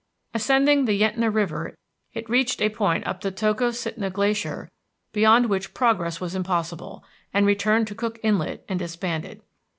Ascending the Yentna River, it reached a point upon the Tokositna Glacier beyond which progress was impossible, and returned to Cook Inlet and disbanded.